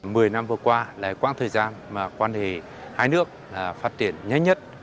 mười năm vừa qua là quãng thời gian mà quan hệ hai nước phát triển nhanh nhất